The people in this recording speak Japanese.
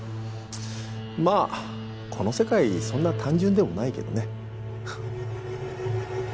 まあこの世界そんな単純でもないけどねはっ。